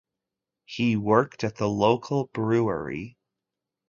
He worked at the local brewery.